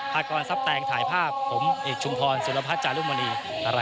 พากรทรัพย์แตงถ่ายภาพผมเอกชุมพรสุรพัฒน์จารุมณี